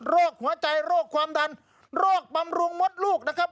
หัวใจโรคความดันโรคบำรุงมดลูกนะครับ